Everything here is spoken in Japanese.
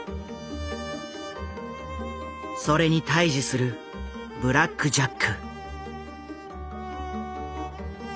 それに対峙するブラック・ジャック。